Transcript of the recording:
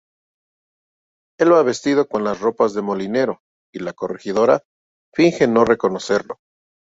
Él va vestido con las ropas del molinero y la corregidora finge no reconocerlo.